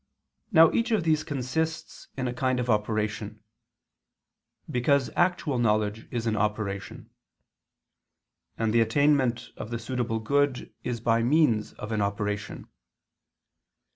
Now each of these consists in a kind of operation: because actual knowledge is an operation; and the attainment of the suitable good is by means of an operation.